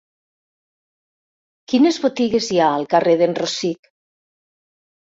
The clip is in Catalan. Quines botigues hi ha al carrer d'en Rosic?